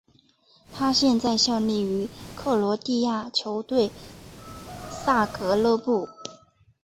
他现在效力于克罗地亚球队萨格勒布。